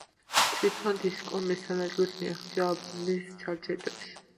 თვითონ დისკმა მესამე ადგილს მიაღწია ალბომების ჩარტებში.